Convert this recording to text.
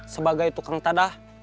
sebagai tukang tadah